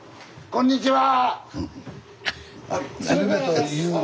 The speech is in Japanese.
こんにちは。